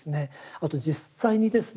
あと実際にですね